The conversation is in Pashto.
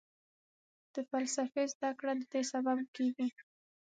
د فلسفې زده کړه ددې سبب کېږي.